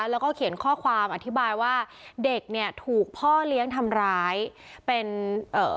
แล้วก็เขียนข้อความอธิบายว่าเด็กเนี่ยถูกพ่อเลี้ยงทำร้ายเป็นเอ่อ